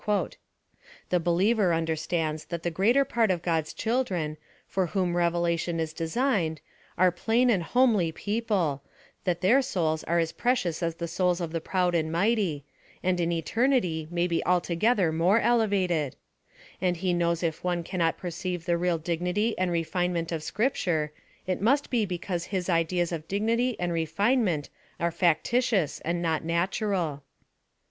The believer understands that the greater part of God's children, toi whom revelation is designed, are plain and homely peo ple, that their souls are as precious as the souls of the proud and mighty, and in eternity may be altogether more elevated ; and he knows if one cannot perceive the real dignitj nrd refinement of Scripture, it must be 32 I N T R D U J T 1 N . because his. ideas of dignity and refinement are fac titious, and not natural.